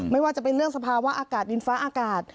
ไม่ว่าจะเป็นเรื่องสภาวะอากาศดินฟ้าอากาศ